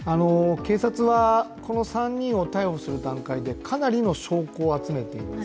警察はこの３人を逮捕する段階でかなりの証拠を集めています。